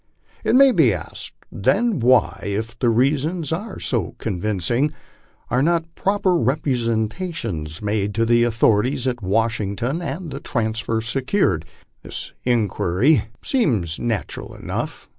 It may be asked, Then why, if the rea sons are so convincing, are not proper representations made to the authorities at Washington and the transfer secured? This inquiry seems natural enough.